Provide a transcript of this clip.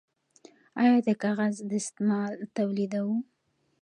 آیا د کاغذ دستمال تولیدوو؟